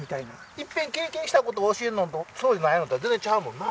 いっぺん経験した事を教えるのとそうでないのとは全然ちゃうもんな。